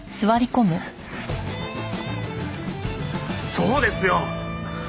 そうですよ！